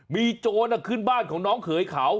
มีโจรขึ้นบ้านของน้องเขยเขา